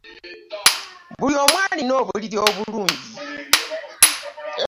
Buli omu alina obuliri omulungi.